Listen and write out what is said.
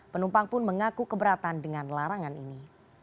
penumpang pun mengaku keberatan dengan larangan ini